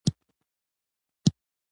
په فکر کي ډوب و.